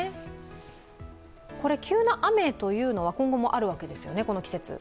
急な雨というのは今後もあるわけですよね？